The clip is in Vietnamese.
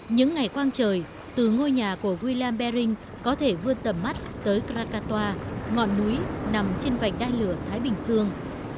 những ngày quang trời từ ngôi nhà của william bering có thể vươn tầm mắt tới krakatoa ngọn núi nằm trên vạch đai lửa thái bình dương